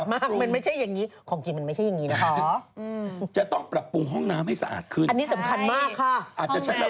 อันนี้น่าจะแบบเดิมนะคะแบบเดิม